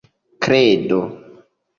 kredo